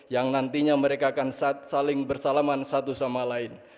yang nantinya mereka akan saling bersalaman satu sama lain